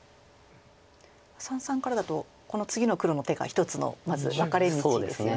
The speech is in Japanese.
三々からだとこの次の黒の手が一つのまず分かれ道ですよね。